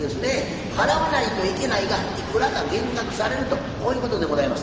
払わないといけないがいくらか減額されるとこういうことでございます。